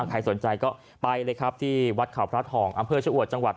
ใครสนใจก็ไปเลยที่วัดเขาพระทองอเภอร์เชอวัยจังหวัด